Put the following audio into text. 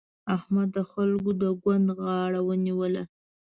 احمد د خلګو د ګوند غاړه ونيوله.